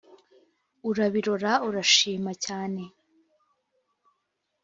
urabirora urashima cyane